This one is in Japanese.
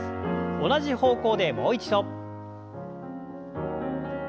同じ方向でもう一度。